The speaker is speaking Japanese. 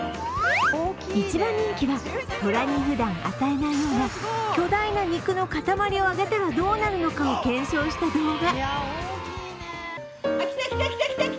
一番人気は、とらにふだん与えないような巨大な肉の塊をあげたらどうなるかを検証した動画。